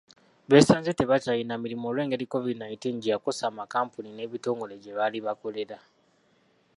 Beesanze tebakyalina mirimu olwe ngeri COVID nineteen gye yakosa amakampuni ne bitongole gye baali bakolera.